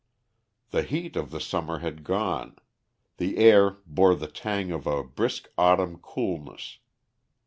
The heat of the summer had gone, the air bore the tang of a brisk autumn coolness.